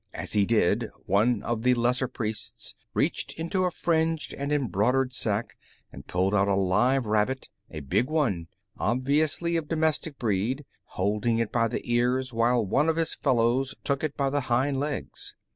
As he did, one of the lesser priests reached into a fringed and embroidered sack and pulled out a live rabbit, a big one, obviously of domestic breed, holding it by the ears while one of his fellows took it by the hind legs.